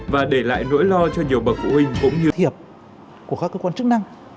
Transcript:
và để lại nỗi lo cho nhiều bậc phụ huynh cũng như các cơ quan chức năng